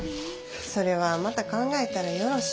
それはまた考えたらよろし。